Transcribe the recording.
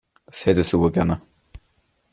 Das hättest du wohl gerne.